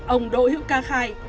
ông đội hiệu ca khai